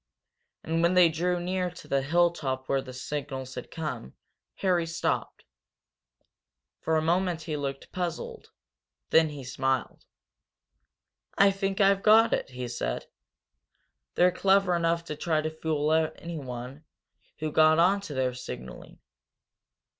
And when they drew near to the hilltop whence the signals had come, Harry stopped. For a moment he looked puzzled, then he smiled. "I think I've got it!" he said. "They're clever enough to try to fool anyone who got on to their signalling.